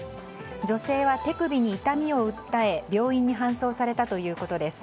女性は手首に痛みを訴え病院に搬送されたということです。